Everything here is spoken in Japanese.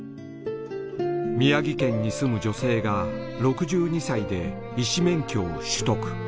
宮城県に住む女性が６２歳で医師免許を取得。